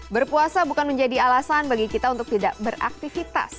berpuasa bukan menjadi alasan bagi kita untuk tidak beraktivitas